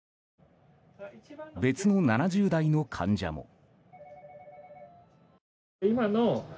別の７０代の患者も。